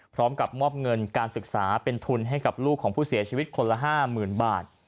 พร้อมกับมอบเงินการศึกษาเป็นทุนให้กับลูกของผู้เสียชีวิตคนละ๕๐๐๐บาท